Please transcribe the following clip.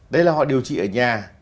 đây là họ điều trị ở nhà